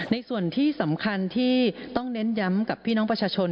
ในส่วนที่สำคัญที่ต้องเน้นย้ำกับพี่น้องประชาชน